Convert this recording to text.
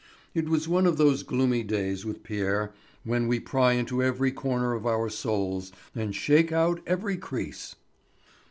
It was one of those gloomy days with Pierre when we pry into every corner of our souls and shake out every crease.